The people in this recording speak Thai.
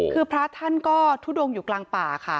คือทางธุดงห์อยู่กลางป่า